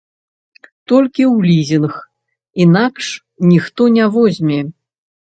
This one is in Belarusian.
Толькі ў лізінг, інакш ніхто не возьме.